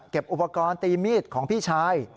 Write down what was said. อุปกรณ์ตีมีดของพี่ชาย